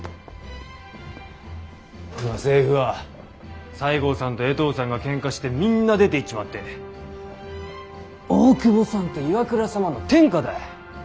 今政府は西郷さんと江藤さんがけんかしてみんな出ていっちまって大久保さんと岩倉様の天下だ。